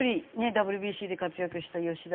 ＷＢＣで活躍した吉田。